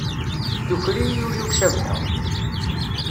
Tuker-iyi ul-iw Cabḥa.